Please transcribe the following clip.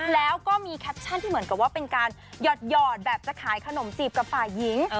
แล้วก็มีแคปชั่นที่เหมือนกับว่าเป็นการหยอดแบบจะขายขนมจีบกับฝ่ายหญิง